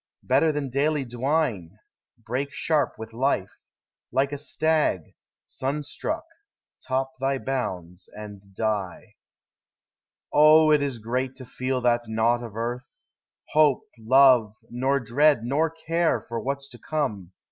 Better than daily dwine, break sharp with life; Like a stag, sunstruck, top thy bounds and die. *•*•• Oh ! it is great to feel that nought of earth, Hope, love, nor dread, nor care for what 's to come.